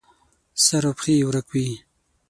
سر او پښې یې ورک وي.